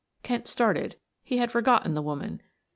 Kent started; he had forgotten the woman.